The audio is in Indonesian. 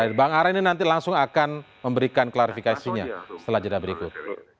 arief bang aray ini nanti langsung akan memberikan klarifikasinya setelah jadwal berikut